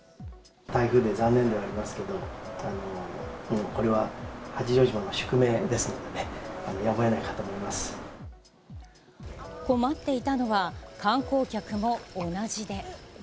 台風で残念ではありますけど、これは八丈島の宿命ですのでね、困っていたのは、観光客も同じで。